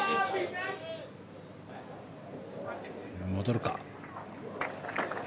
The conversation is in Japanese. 戻るか。